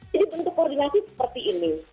jadi bentuk koordinasi seperti ini